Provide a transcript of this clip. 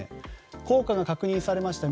効果が確認されました